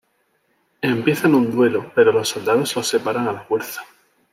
Empiezan un duelo, pero los soldados los separan a la fuerza.